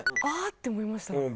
「あっ！」って思いました。